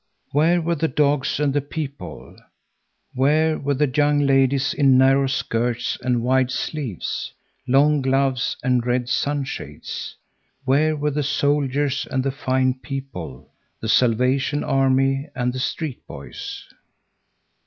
Where were the dogs and the people? Where were the young ladies in narrow skirts and wide sleeves, long gloves and red sunshades? Where were the soldiers and the fine people, the Salvation Army and the street boys?